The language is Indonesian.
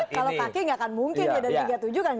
kalau kaki nggak akan mungkin